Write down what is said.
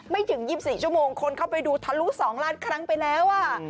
ไม่ถึง๒๔ชั่วโมงคนเข้าไปดูทะลุ๒ล้านครั้งไปแล้ว